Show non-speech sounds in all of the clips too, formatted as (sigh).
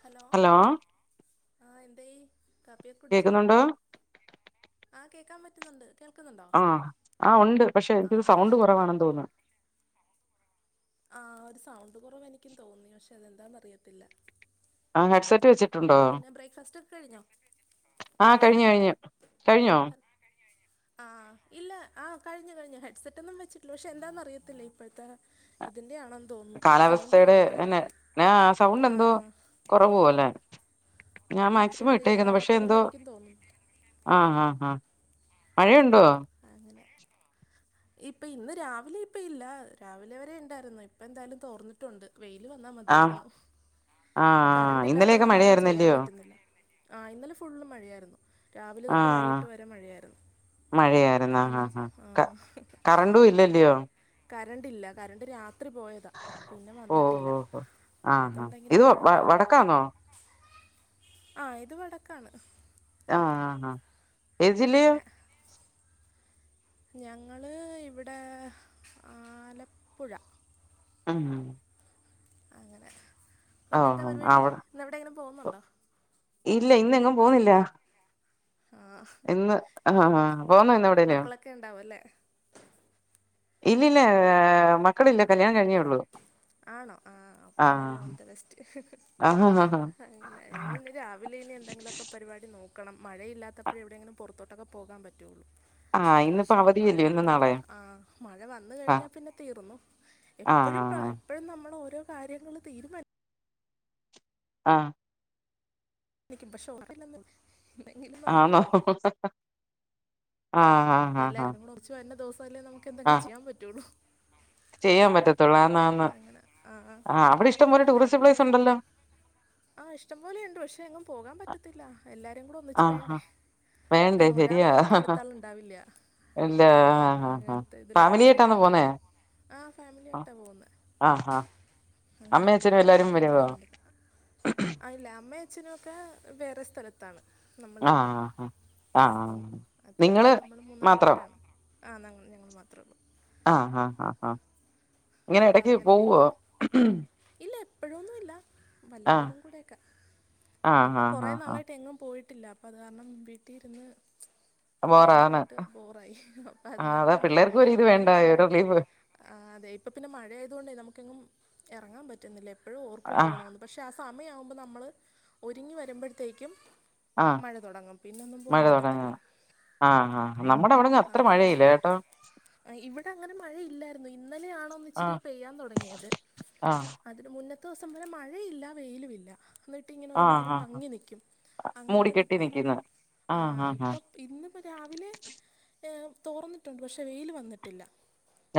Hello ആഹ് എന്തായി കാപ്പിയൊക്കെ കുടിച്ചോ കേക്കുന്നുണ്ടോ ആ കേക്കാൻ പറ്റുന്നുണ്ട് കേൾക്കുന്നുണ്ടോ ആഹ് ആ ഉണ്ട് പക്ഷെ ആ എനിക്കത് സൗണ്ട് കൊറവാണെന്ന് തോന്ന്ന്ന് ആ ഒരു സൗണ്ട് കൊറവ് എനിക്കും തോന്നി. പക്ഷെ അതെന്താന്ന അറിയത്തില്ല ആഹ് ഹെഡ് സെറ്റ് വെച്ച് പിന്നെ ബ്രേക്ക്ഫാസ്റ്റ് ഒക്കെ കഴിഞ്ഞോ ആഹ് കഴിഞ്ഞു കഴിഞ്ഞു കഴിഞ്ഞോ ആഹ് ഇല്ല ആഹ് കഴിഞ്ഞ് കഴിഞ്ഞ് ഹെഡ്സെറ്റ് ഒന്നും വെച്ചിട്ടില്ല പക്ഷെ എന്താന്ന അറിയത്തില്ല ഇപ്പഴത്തെ ഇതിന്റെ ആണോന്ന് കാലാവസ്ഥയുടെ എന്നെ ന്ന സൗണ്ട് ആ എന്തോ കൊറവ് പോല്ലേ ഞാൻ ഒരിത്തിരി മാക്സിമം ക്ലിയർ ഇട്ടേക്ക്ന്ന്. പക്ഷെ ആവാത്ത പോലെ എന്തോ എനിക്കും തോന്നുന്നു ആഹ് ആഹ് ഹാ മഴ ഉണ്ടോ അങ്ങനെ ഇപ്പൊ ഇന്ന് രാവിലെ ഇപ്പ ഇല്ല. രാവിലെവരെ ഇണ്ടായിരുന്ന് ഇപ്പ എന്തായാലും തോർന്നി ട്ടുണ്ട് വെയില് വന്നാ ആഹ് മതിയാരുന്നു. ഇപ്പൊ ആഹ് കരണ്ട് ഇല്ലാത്ത ഇന്നലെയൊക്കെ കാര്ണം ഒന്നും ചെയ്യാൻ മഴയായിരുന്നല്ലയോ പറ്റുന്നുല്ല. ആഹ് ഇന്നലെ ഫുള്ള് മഴയായിരുന്നു രാവിലെ തൊട്ട് വൈകിട്ട് വരെ മഴയായിരുന്നു മഴയാരുന്നോ ആഹ്ഹ് ഒന്നും ഹ ചെ- ആ ക കരണ്ടും ഇല്ലല്യോ കരണ്ട് ഇല്ല കരണ്ട് രാത്രി പോയതാ. പിന്നെ ഓഹ് വന്നിട്ടില്ല ഓഹ് ഓഹ് ആഹ് ആഹ് അതുണ്ടെങ്കിലും ഇത് കൊഴപ്പം വ വടക്കാന്നോ ആഹ് ഇത് വടക്കാണ് ആഹ് ആഹ് ആഹ് ഇതില് ഞങ്ങള് ഇവിടെ ആലപ്പുഴ അങ്ങ് അങ്ങനെ പിന്നെ എന്താ അഹ് പരിപാടി അവി (unintelligible) ഇന്ന് എവിടെ ഇങ്ങനെ ടെ പോകുന്നുണ്ടോ ഇല്ല ഇന്നെങ്ങും പോന്നില്ല ആഹ് ഇന്ന് ആഹ് ആഹ് പോന്നോ ഇന്ന് എവിടെലും ഇക്ക ഇണ്ടാവുലെ ഇല്ലില്ല മക്കളില്ല കല്യാണം കഴിഞ്ഞേ ഒള്ളൂ ആണോ ആഹ് അപ്പൊ ഇന്നെലെ ഓൾ ദ ബെസ്റ്റ് ആഹ് അങ്ങനെ ഞങ്ങളിനി രാവിലെ ഇനി എന്തെങ്കിലൊ ഒക്കെ ഫുഡ്‌ പരിപാടി നോക്കണം മഴയില്ലാത്തപ്പഴേ എവിടെയെങ്കിലും പൊറത്തോട്ടൊക്കെ പോകാൻ പറ്റൊള്ളൂ ആഹ് ഇന്നിപ്പോ പക്ഷെ മഴ അവധിയല്ലേ ഇന്നും വന്ന് നാളെയും ആഹ് മഴ വന്ന് ആഹ് കഴിഞ്ഞാ പിന്നെ തീർന്നു ആഹ് എപ്പഴും ആഹ് എപ്പഴും നമ്മള് ഓരോ കാര്യങ്ങള് തീരുമാനി ആഹ് പക്ഷെ (unintelligible) നോക്കിയാൽ ആന്നോ (inaudible) ആഹ് ആഹ് ആഹ് ആഹ് എല്ലാരുകൂടെ ഒന്നിച്ച് വരനെ ദെവസല്ലേ നമുക്ക് എന്തെങ്കിലും ആഹ് ചെയ്യാൻ പറ്റൊള്ളു ചെയ്യാൻ പറ്റത്തൊള്ളൂ. ആന്ന് ആന്ന്. അങ്ങനെ ആ ആഹ് അവിടെ ഇഷ്ടംപലെ ടൂറിസ്റ്റ് പ്ലേസ് ഉണ്ടല്ലോ ആഹ് ഇഷ്ടംപോലെ ഉണ്ട്. പക്ഷെ എങ്ങും പോകാൻ പറ്റത്തില്ല എല്ലാരും കൂടെ ഒന്നിച്ച് ആഹ് ഹാ വേണ്ടേ വേണ്ടേ അഹ് ശരിയാ ഒരാളുള്ളപ്പോ അടുത്താള് ഉണ്ടാവില്ല ഇല്ല ആഹ് ഹ് ഫാമിലിയായിട്ടാണോ പോന്നേ ആഹ് ഫാമിലി ആയിട്ടാ പോവ്ന്നേ ആഹ്ഹ ഒറ്റയ്ക്ക് പോയാ ഒരു എൻജോയ്മെന്റ് കിട്ടത്തില്ല ആ ഇല്ല അമ്മ അച്ഛെനും ഒക്കെ വേറെ സ്ഥലത്താണ് നമ്മളുടെ കൂടെ ആഹ് ഇല്ല ആഹ് ആഹ് അപ്പം അത് നിങ്ങള് കാര്ണം നമ്മൾ മൂന്നാല് മാത്രോ പേരാണ്. ആഹ് ങ്ങൾ ഞങ്ങൾ മാത്ര ഒള്ളൂ ആഹ് അഹ് ആഹ് ഇങ്ങനെ അപ്പം എടക്ക് അങ്ങനെ പോവോ നിൽക്കുന്നു ഇല്ല എപ്പൊഴൊന്നു ഇല്ല ആഹ് വല്ലപ്പൊഴും കൂടെ ഒക്കെ ആഹ് ഇപ്പം ആഹ് കൊറേ ആഹ് നാളായിട്ട് എങ്ങും പോയിട്ടില്ല അപ്പ അത് കാര്ണം വീട്ടി ഇരിന്ന് ആഹ് ബോറാണ് ഭയങ്കരായിട്ട് ബോറായി അപ്പ അത് ആഹ് കാരണം അതാ ഒന്ന് പിള്ളേർക്കും ഒരിത് ഇങ്ങനെ വേണ്ടായോ ഒരു പോണെന്നൊക്കെ റിലീഫ് ആഹ് അതെ ഇപ്പ പിന്നെ മഴയത് കൊണ്ട് നമുക്കെങ്ങും ഇറങ്ങാൻ പറ്റുന്നില്ല എപ്പോഴും ഓർക്കും ആഹ് പോണോന്ന് പക്ഷേ ആ സമയവുമ്പോ നമ്മള് ഒരുങ്ങി വരുമ്പഴുത്തേക്കും ആഹ് മഴ തുടങ്ങും പിന്നെങ്ങും പോവാൻ പറ്റത്തില്ല. ആ ആ നമ്മുടെ വിടെങ്ങും അത്ര അത് കാരണം മഴയില്ല കേട്ടോ ഇവിടെ അങ്ങനെ മഴയില്ലായിരുന്നു ഇന്നലെയാണ് ഇച്ചിരി ആഹ് പെയ്യാൻ തുടങ്ങിയത് ആഹ് അതിന് മുന്നത്തെ ദിവസം വരെ മഴയില്ല വെയിലും ഇല്ല. എന്നിട്ട് ഇങ്ങനെ ഒരുമാരി ആഹ് ആഹ് മങ്ങി നിക്കും അങ്ങനത്തെ മൂടിക്കെട്ടി നിപ്പരുന്ന് നിക്കുന്ന് ആഹ് ഇപ്പം ഇന്നിപ്പോ രാവിലെ ഏ തോർന്നിട്ടുണ്ട് പക്ഷെ വെയില് വന്നിട്ടില്ല.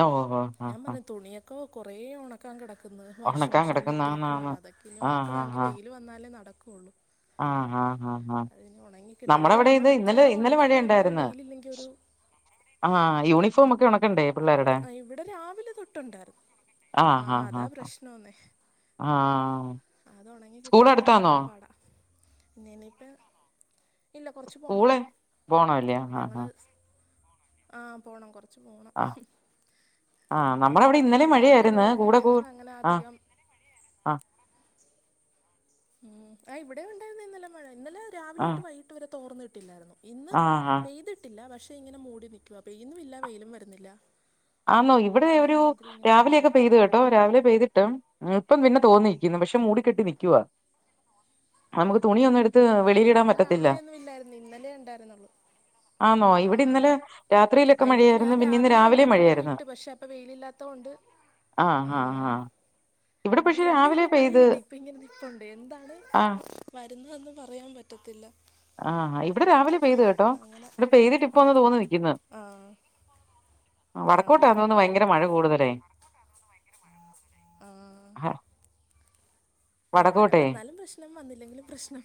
ഓ ഓ ആ ഞാൻ ആ പറഞ്ഞു തുണിയൊക്കെ കുറേ ഉണക്കൻ കിടക്കുന്ന് വാഷിംഗ് ഉണക്കാൻ മെഷീനിൽ കിടക്കുന്നാന്നാന്ന് ഇട്ടിരിക്കുകയാണ് അതൊക്കെ ഇനി ആഹ് ആഹ് ഉണക്കണമങ്കില് വെയില് ആഹ് വെയില് വന്നാലേ നടക്കുള്ളൂ ആഹ് ആഹ് ആഹ് ആഹ് അതിന് ഉണങ്ങിക്കിട്ടും നമ്മുടെ ഇല്ലെങ്കില് ഇവിടെ ഇത് നമ്മള് എത്ര ഇന്നലെ ഇന്നലെ ഉണക്കിയെന്ന് പറഞ്ഞാലും വെയിലില്ലെങ്കി ഒരു ആ യൂണിഫോം ഒക്കെ ഉണക്കണ്ടേ? പിള്ളേരുടെ ആ ഇവിടെ രാവിലെ തൊട്ടുണ്ടായിരുന്നു ആ ആഹ് ആഹ് അതാ ആഹ് പ്രശ്നൊന്നേ ആഹ് അത് ഉണങ്ങി സ്കൂൾ കിട്ടാനായിട്ട് അടുത്താന്നോ ഭയങ്കര പാടാ. ന്നനിയിപ്പ ഇല്ല കുറച്ച് പോണം സ്കൂള് പോണല്ലേ ആ ആ ഞങ്ങള് ആ പോണം കുറച്ച് പോണം ആ ആ അതിഞ്ഞി ഇപ്പോ നമ്മളവിടെ ഇന്നലെ വണ്ടിക്കൊക്കെ മഴയായിരുന്നു ഞങ്ങൾക്കിവിടെ കൂടെ കൂ അങ്ങനെ ആ അധികം ആ ഉം ആ ഇവിടെയും ഉണ്ടായിരുന്നു ഇന്നലെ മഴ ഇന്നലെ രാവിലെ ആ തൊട്ട് വൈകിട്ട് വരെ തോർന്നിട്ടില്ലായിരുന്നു. ഇന്ന് ആ ആ പെയ്തിട്ടില്ല പക്ഷെ ഇങ്ങനെ മൂടി നക്കുവാ പെയ്യുന്നും ഇല്ല വെയിലും വരുന്നില്ല ആന്നോ ഇവിടെ ഒരു ഒരുമാതിരി ഇങ്ങനെ നിൽക്കുക രാവിലെയൊക്കെ പെയ്ത് കേട്ട് ട്ടോ രാവിലെ പെയ്തിട്ട് ഇപ്പം പിന്നെ തോന്നിരിക്കുന്നു പക്ഷെ മൂടി കെട്ടി നിക്കുവാ നമുക്ക് തുണിയൊന്നും എട് ആ ഇവിടെ രാവിലെ ഒന്നും ഇല്ലായിരുന്നു ഇന്നലെ ഉണ്ടായിരരുന്നുള്ളൂ ആന്നോ ഇവിടെ ഇന്നലെ രാത്രിയിലൊക്കെ ആ ഇവിടെ ഞാൻ മഴയായിരുന്നു പിന്നെ ഇന്ന് രാവിലെ ഒന്ന് രാവിലേം മഴയായി കൊണ്ടുപോയി ഇട്ട് പക്ഷെ അപ്പൊ വെയിലില്ലാത്തൊണ്ട് ആ ആ ആഹ് ആ ഇവിടെ പക്ഷെ വെയിലും ഇല്ല രാവിലെ മഴയും പെയ്ത് ഇല്ല ഇപ്പൊ ഇങ്ങനെ നിപ്പുണ്ട് എന്താണ് ആ വരുന്നു ഒന്നും പറയാൻ പറ്റത്തില്ല ആഹ് ഇവിടെ രാവിലെ പെയ്ത് കേട്ടോ അങ്ങനെ ഇവിടെ പെയ്തിട്ടിപ്പോ ഒന്ന് തോർന്നു നിയ്ക്കുന്ന് ആഹ് വടക്കോട്ട ആണല്ലേ ആന്നോന്ന് ഭയങ്കര മഴ കൂടുതലേ ആഹ് ഏ മഴ വടക്കോട്ടേ വന്നാലും പ്രശ്നം വന്നില്ലെങ്കിലും പ്രശ്നം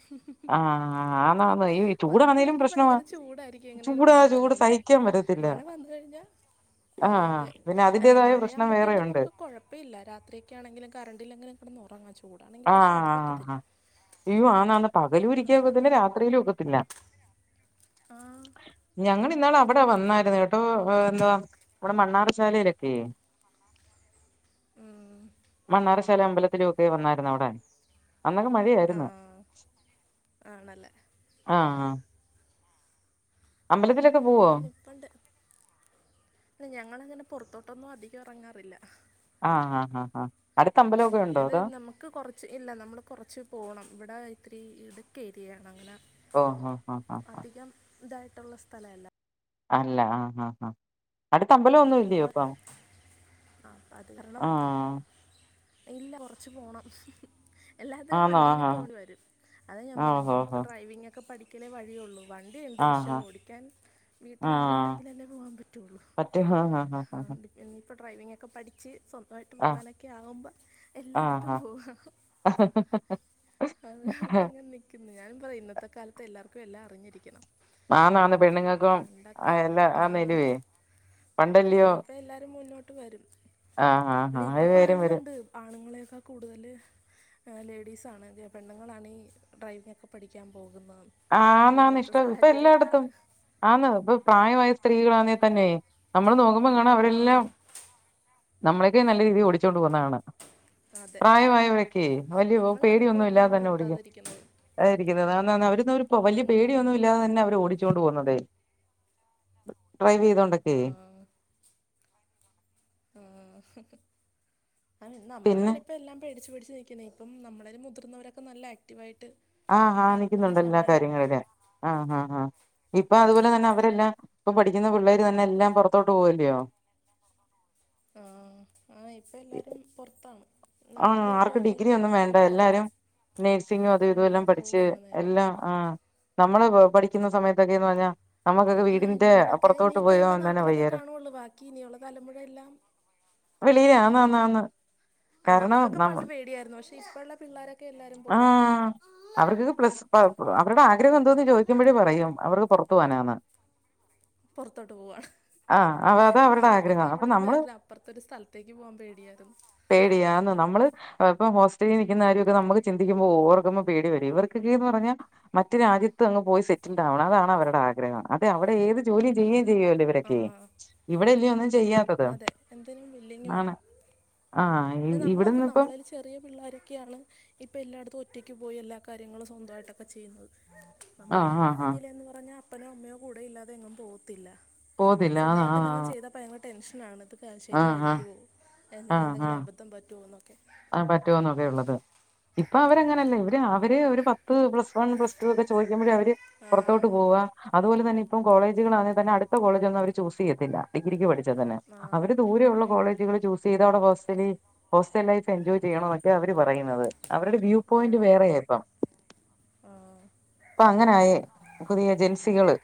ആഹ് ആന്നാന്ന് ഈ ചൂടാണേലും വന്നില്ലെങ്കി പ്രശ്നവാ ഭയങ്കര ചൂടായിരിക്കും എങ്ങനെങ്കിലും ചൂടാ മഴ ചൂട് വെനോന്ന്ഓർക്കും സഹിക്കാൻ പറ്റത്തില്ല മഴ വന്ന് കഴിഞ്ഞാ ആ ആഹ് അതെ പിന്നെ അല്ല അതിന്റേതായ പ്രശ്നം മഴയാവുമ്പോ പിന്നെ വേറെയുണ്ട് നമുക്ക് കൊഴപ്പ ഇപ്പ ഇല്ല രാത്രിയൊക്കെ ആണെങ്കിലും കറണ്ടില്ലങ്കിലും കിടന്ന് ഉറങ്ങാ ചൂ ആ ആ ആ ഹ അയ്യോ ആന്നാണ് പകലു ഒരിക്കെ ഒക്കത്തില്ല അതാണൊരു രാത്രിയിലും ഒക്കത്തില്ല. ആഹ് ഞങ്ങളിന്നാള് അവിടെ വന്നായിരുന്നു കേട്ടോ ഏഹ് ന്താ ഇവിടെ മണ്ണാർശാലയിലൊക്കെ ഉം, മണ്ണാറശാല അമ്പലത്തിലൊക്കെ വന്നായിരുന്നു അവിടെ അന്നൊക്കെ ആ മഴയായിരുന്നു ആണല്ലേ ആ പോവോ അങ്ങനെ നിപ്പുണ്ട് പിന്നെ ഞങ്ങളങ്ങനെ പുറത്തോട്ടൊന്നും അധികം ഇറങ്ങാറില്ല. ആഹ് ആഹ് ആഹ് അടുത്ത അമ്പലം ഒക്കെ ഇത് നമുക് ക്ക് കൊറച്ച് ഇല്ല നമ്മൾ കൊറച്ച് പോണം ഇവിടെ ഇത്തിരി ഇടുക്ക്‌ ഏരിയയാണ് അങ്ങനെ ഓഹ് ഓഹ് ഓഹ് ഓഹ് ഓഹ് അധികം ഇതായിട്ടുള്ള സ്ഥലല്ല അല്ല ആഹ് ആഹ് ആഹ് അടുത്തമ്പലം ഒന്നും ഇല്ലയോ അപ്പ ആഹ് അപ്പൊ അത് കാരണം ഇല്ല കൊറച്ച് പോണം. എല്ലാത്തിനും ആന്നോ വണ്ടിയിൽ ആഹ് പോണ്ടി വരും അത ഞാൻ ആഹ് പറഞ്ഞേ ഓഹ് ഇനി ഓഹ് ഇപ്പൊ ഡ്രൈവിങ്ങൊക്കെ പഠിക്കലേ വഴിയൊള്ളൂ. വണ്ടിയുണ്ട് പക്ഷേ ആഹാ ഓടിക്കാൻ ആഹ് വീട്ടിലാണുണ്ടെങ്കിലല്ലേ പോവാൻ പറ്റുള്ളൂ പറ്റും ഹാ ഹാ ഹാ ഹാ ഇനി ഇപ്പോ ഡ്രൈവിങ്ങൊക്കെ പഠിച്ച് സ്വൻ സുഖായിട്ട് ആഹ് പോകാനൊക്കെ ആവുമ്പോ എല്ലായിട്ത്തും ആഹാ പോവാ അത് പറഞ്ഞങ്ങനെ നിക്കുന്ന് ഞാനും പറയും ഇന്നത്തെ കാലത്ത് എല്ലാർക്കും എല്ലാം അറിഞ്ഞിരിക്കണം. ആന്നാന്ന് പെണ്ണുങ്ങൾക്കും ആഹ് എല്ലാം ആഹ് മേലുവേ ഇനിയിപ്പ എല്ലാരും മുന്നോട്ട് വരും ആഹ് ആഹ് ല്ലി ആഹ് ഇപ്പൊ അത് വരും വരും പറയുന്നുണ്ട്. ഹ് ആണുങ്ങളേക്കാ കൂടുതല് ഏഹ് ലേഡീസാണ് പെണ്ണുങ്ങളാണ് ഈ ഡ്രൈവിംഗൊക്കെ പഠിക്കാൻ പോകുന്നത് ന്ന്. ആഹ് ന്നാണ് ഇഷ്ടം ഇപ്പൊ എല്ലായിടത്തും ആന്ന് ഇപ്പൊ പ്രായമായ സ്ത്രീകളാണേ തന്നെ നമ്മള് നോക്കു മ്പൊ കാണാം ആ അവരെല്ലാം നമ്മളക്കായിം നല്ല രീതിയിൽ ഓടിച്ചോണ്ട് പോവുന്നകാണാം അതെ പ്രായമായവരൊക്കേ വലിയ നമ്മളാണിപ്പോൾ പേടിയൊന്നും ഒന്നും ഇല്ലാതെ ഒന്നും തന്നെ ഓടിക്കും. എത്താതിരിക്കുന്നത് അതായിരിക്കുന്നത് വന്ന് വന്ന് അവര് ന്നൊരു പൊ വല്ല്യേ ഉം. പേടിയൊന്നും ഇല്ലാതെ തന്നെ അവര് ഓടിച്ചോണ്ട് പോവുന്നതേ. ഡ്രൈവെയ്തോണ്ടൊക്കേ. ആ ആഹ് ആണ് പിന്നെ നമ്മളാണ് ഇപ്പ എല്ലാം പേടിച്ചു പേടിച്ച് നിക്ക് നിക്കുന്നെ ഇപ്പം നമ്മളേലും മുതിർന്നവരൊക്കെ നല്ല ആക്റ്റീവായിട്ട്. ആഹ് ഹാ നടക്കുന്ന നിക്കുന്നുണ്ട് എല്ലാ സമയമാണ് കാര്യങ്ങളിലും ആഹ് ഹാ ഹാ. ഇപ്പൊ അതുപോലെ തന്നെ അവരെല്ലാം ഇപ്പൊ പഠിക്കുന്ന പിള്ളേര് തന്നെ എല്ലാം പൊറത്തോട്ട് പോവല്ല്യോ. ആഹ് ആഹ് ഇപ്പല്ലാരും പൊർത്താണ്. ആഹ് ആർക്കും ഡിഗ്രി ഒന്നും വേണ്ട എല്ലാരും നേഴ്സിങ്ങും അതു ഇതുവെല്ലാം ആഹ് പഠിച്ച് പോവാണ് നേരെ എല്ലാം. ആഹ് നമ്മള് പ പഠിക്കുന്ന സമയത്തൊക്കേന്ന് പറഞ്ഞാ. നമുക്കൊക്കെ ആഹ് വീടിന്റെ നമ്മളൊക്കെ അപ്പുറത്തോട്ട് ഇനിയിപ്പ ഇവിടെ പോയോന്ന് തന്നെ നാട്ടിലൊക്കെ വയ്യായിരുന്നു കാണൊള്ളു ബാക്കി ഇനിയുള്ള തലമുഴ എല്ലാം. വെളിയിലാ ആഹ് ആന്നാന്നാന്ന്. ആ നമുക്കൊക്കെ പണ്ട് പേടിയായിരുന്നു പക്ഷേ ഇപ്പള്ള പിള്ളോരൊക്കെ. എല്ലാരും പോവാ ആഹ് അവർക്ക് പ്ലസ് അവരുടെ ആഗ്രഹം എന്തോന്ന് ചോദിക്കുമ്പഴേ പറയും അവർക്ക് പൊർ ത്ത് പോവാനാന്ന്. പൊർത്തോട്ട് പോവാണ് ആഹ് അതാ അവരുടെ ആഗ്രഹം നമുക്കൊക്കെ അപ്പൊ ഇവടന്ന് നമ്മൾ വേറൊരു അപ്പൊർത്തൊരു സ്ഥലത്തേക്ക് പോവാൻ പേടിയായിരുന്നു. പേടിയാന്ന് നമ്മള് ഇപ്പം ഹോസ്റ്റലി നിക്കുന്ന കാര്യമൊക്കെ നമ്മക്ക് ചിന്തിക്കുമ്പോ ഓവർക്കുമ്പോ പേടി വരും ഇവർകൊക്കേന്ന് പറഞ്ഞാ മറ്റ് രാജ്യത്ത് അങ്ങ് പോയി സ് സെറ്റിൽഡാവണ അതാണ് അവരുടെ ആഗ്രഹം അതെ അവിടെ ഏത് ജോലീം ചെയ്യേ ചെയ്യോല്ലോ ആ ഇവരൊക്കെ. ഇവിടെല്ല്യോ ഒന്നും ചെയ്യാ അതെ എന്തിനും വില്ലിങ്ങുവാണ്. ആഹ് അയ് ന്നെ നമ്മളോർക്കും നമ്മളേലും ചെറിയ പിള്ളോരൊക്കെയാണ്. ഇപ്പൊ എല്ലാട്ത്തും ഒറ്റക്ക് പോയി എല്ലാ കാര്യങ്ങളും സ്വന്തായിട്ടൊക്കെ ചെയ്യുന്നത്. ആഹ് നമ്മളൾടെയൊക്കെ ആഹ് ആഹ് കുഞ്ഞിലേന്ന് പറഞ്ഞാ അപ്പനോ അമ്മയോ കൂടെ ഇല്ലാതെ എങ്ങും പോകത്തില്ല. പോകത്തില്ല ആഹ് സ്വന്തായിട്ട് ആഹ് എന്തെങ്കിലും ചെയ്താ പ (unintelligible) ടെൻഷനാണത് ആഹ് ശരിയയിരിക്കുവോ എനി ആഹ് എന്തെങ്കിലും ആഹ് അബദ്ധം പറ്റോന്നൊക്കെ. ആഹ് പറ്റോന്നൊക്കെയുള്ളത്. ഇപ്പൊ അവരങ്ങനല്ല ഇവര് അവര് ഒരു പത്ത്, പ്ലസ് വൺ, പ്ലസ് ടു ഒക്കെ ചോയിക്കുമ്പഴേ അവര്. ആ പുറത്തോട്ട് പോവാ അതുപോലെ തന്നെ ഇപ്പം കോളേജുകളാണേ തന്നെ അടുത്ത കോളജൊന്നും അവര് ചൂസയ്യത്തില്ല. ഡിഗ്രിക്ക് പഠിച്ചാതന്നെ ആ അവര് ദൂരെയുള്ള കോളേജുകള് ചൂസെയ്ത അവിടെ ഹോസ്റ്റലി ഹോസ്റ്റൽ ലൈഫ്. എൻജോയ് ചെയ്യണന്നൊക്കെ അവര് പറയുന്നത് അവരുടെ വ്യൂ പോയിന്റ് വേറെയായിപ്പം. ആഹ്. പ്പൊ അങ്ങനെ ആയെ പുതിയ ജെൻസികള്.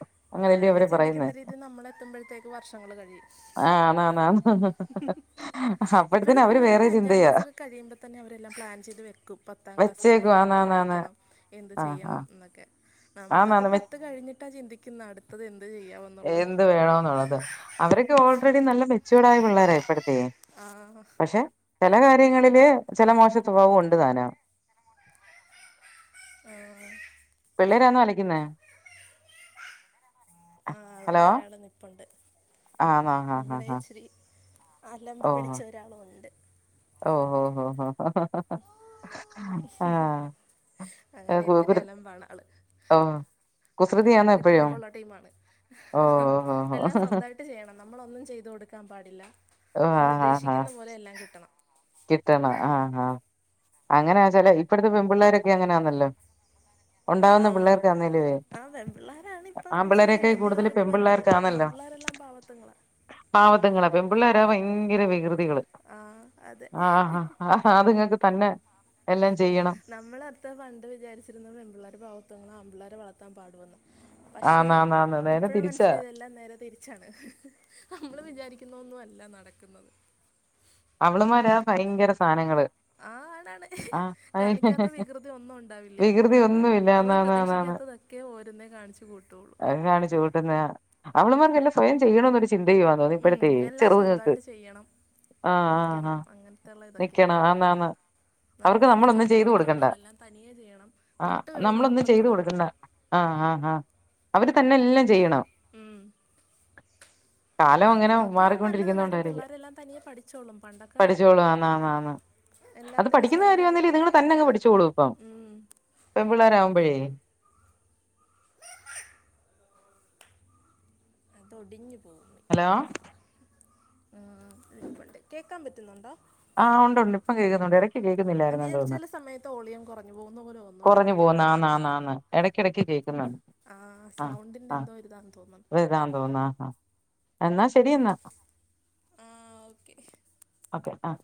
അവരൊക്കെ ചിന്തിക്കുന്ന രീതിൽ നമ്മളെത്തുമ്പഴ്ത്തേക്ക് വർഷങ്ങള് കഴിയും. ആന്ന് ആന്ന് ആന്ന് ആന്ന് ഇപ്പഴ്ത്തെ പിള്ളരൊര് വേറെ അഞ്ചാം ചിന്തയാ ക്ലാസൊക്കെ കഴിയുമ്പ തന്നെ അവരെല്ലാം പ്ലാൻ ചെയ്ത് വെക്കും പത്താം ക്ലാസ്സ് വെച്ചേക്കുവാ കഴിയുമ്പോ എന്ത് ആന്നാന്നാന്ന് പഠിക്കണം, എന്ത് ആഹ് ചെയ്യണം ആഹ് ന്നൊക്കെ. നമ്മളൊക്കെ ആന്നാന്ന് വെ പത്ത് കഴിഞ്ഞിട്ടാ ചിന്തിക്കുന്ന അടുത്തത് എന്ത് ചെയ്യാമെന്നുള്ളത്. ന്ത് വേണോന്നോള്ളത്. അവരൊക്കെ ഓൾറെഡി നല്ല മെച്യൂഡായ പിള്ളേര ഇപ്പഴത്തെയെ ആഹ് ക്ഷേ ചെല കാര്യങ്ങളില് ചെല മോശ സ്വഭാവം ഉണ്ട്താനും. ആഹ്‌ പിള്ളേരാന്നോ കളിക്കുന്നേ? ആഹ് ഇവിടെ ഹലോ ഒരാള് നിപ്പൊണ്ട്. ആന്നോ ആഹ് ആഹ് അലമ്പ് പിടിച്ച ഒരാളൊണ്ട്. ഓഹോ ഓഹോ ഹോ ഹോ ആഹ് അങ്ങനെ ഇത്തിരി അലമ്പാണ് ആള്. ഓ ആഹ് കുസൃതിയാന്നോ ഇത്തിരി എപ്പഴും കുറുമ്പുള്ള ടീമാണ് ഓ ഓ എല്ലാസ്വന്തായി ട്ട് ചെയ്യണം നമ്മളൊന്നും ചെയ്ത് കൊടുക്കാപാടില്ല ഓ ആ ആ ആ അവളുദ്ദേശിക്കുന്ന പോലെ എല്ലാം കിട്ടണം കിട്ടണം ആഹ് ആഹ് അങ്ങന ചെല ഇപ്പോഴ്ത്തെ പെമ്പിള്ളരൊക്കെങ്ങനാന്നല്ലോ ഒണ്ടാവുന്ന ആഹ് പിള്ളേർക്കാന്നേലുവേ ആഹ് പെൺപിള്ളേരാണ് ആമ്പിള്ളേരെക്കെ കൂട്തല് പെമ്പിള്ളേ ആപിള്ളേരെല്ലാം പാവത്ത്ങ്ങളാ പാവത്ത്ങ്ങളാ പെപിള്ളേരാ ഭയങ്കര വികൃതികള് ആഹ് അതെ ആഹ് അത്ങ്ങക്ക് തന്നെ എല്ലാം ചെയ്യണം. നമ്മളത്താ പണ്ട് വിചാരിച്ചിരുന്നത് പെപിള്ളാര് പാവത്ത്ങ്ങളാ ആപിള്ളാരെ വളർത്താൻ പാടുവോന്നാ പഷേ ആന്നാന്നാന്ന് നേരെ ഇപ്പോഴണ് തിരിച്ചാ മനസ്സിലായത് എല്ലാം നേരെ തിരി ച്ചാണ് നമ്മള് വിചാരിക്കുന്നൊന്നുവല്ല നടക്കുന്നത് അവള്മ്മാരാ ഭയങ്കരസാനങ്ങള് ആഹ് ആണാണ് കാണിക്കാത്ത വികൃതി ഒന്നുണ്ടാവില്ല്യാ വികൃതി ഒന്നുമില്ല നമ്മള് ആന്നാന്നാന്നാന്ന് പ്രതീക്ഷിക്കാത്ത ഒക്കെ ഓരോന്നേ കാണിച്ച് കൂട്ടൊള്ളു ആഹ് കാണിച്ച് കൂട്ട്ന്നായ അവള്മ്മാർക്കെല്ലാം സ്വയം ചെയ്യണൊരു ചിന്തയുവാന്ന് ഉം ഇപ്പഴത്തെയ് എല്ലാം ചെറ്ത്ങ്ങക്ക് സ്വന്തമായിട്ട് ചെയ്യണം ആഹ് ആഹ് നിൽക്കണം ആഹ് അങ്ങനത്തെയുള്ള ഇതൊക്കെയാ നിക്കണം ആന്നാന്ന് നമ്മളൊന്നും അവർക്ക്നമ്മളൊന്നും ചെയ്ത് കൊടുക്കാൻ കൊടുക്കണ്ടാ പാടില്ല എല്ലാം തനിയെ ചെയ്യണം ആഹ് തൊട്ട് കഴിഞ്ഞ നമ്മളൊന്നും അപ്പം ചെയ്ത് തുടങ്ങും കൊടുക്കണ്ട ആഹ് ആഹ് ആഹ് അവര്തന്നെല്ലാം ചെയ്യണം. ഉം കാലം അതൊന്ന് അങ്ങനെ നോക്കിയാ നല്ലത് കാര്യം മാറിക്കൊണ്ടിരിക്കുന്നോണ്ടാരിക്കും പിള്ളേരെല്ലാം തനിയെ പഠിച്ചോളും പണ്ടൊക്കെ പഠിച്ചോളും ആന്നാന്നാന്ന് അത് എല്ലാത്തിനും പഠിക്കുന്നാ കാര്യന്നാലും സ്വന്തമായിട്ട് ഇത്ങ്ങള് തന്നങ്ങ് പഠിച്ചോളും ഇപ്പം ഉം പെമ്പിള്ളേരാവുമ്പളെ അതൊടിഞ്ഞു പോവും ഹലോ മിക്കവാറും കണ്ടോ ആഹ് (unintelligible) കേക്കാ പറ്റുന്നോണ്ടോ? ആഹ് ഒണ്ട്ണ്ട് ഇപ്പം കേക്ക്ന്നോണ്ട് എട ക്ക് കേക്ക്ന്നില്ലായിര്ന്ന് ഞാൻ തോന്ന് ചില സമയത്ത് ഓളിയം കുറഞ്ഞു പോകുന്ന പോലെ തോന്നുന്നുണ്ട് കൊറഞ്ഞ് എനിക്കത് പോവ്ന്ന് ആന്നാന്നാന്ന് എടക്കെടക്ക് കേക്ക്ന്നോണ്ട് ആഹ് സൗണ്ടിന്റെന്തോരിതാന്ന് തോന്നണ് ഇതാന്ന് തോന്ന് ആഹ്‌ എന്നാ ശെരിന്നാ ആഹ് ഓക്കെ. ഓക്കെ ആഹ്